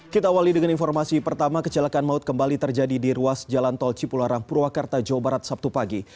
kita awali dengan informasi pertama kecelakaan maut kembali terjadi di ruas jalan tol cipularang purwakarta jawa barat sabtu pagi